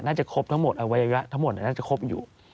น่าจะครบทั้งหมดอวัยวะทั้งหมดน่าจะครบอยู่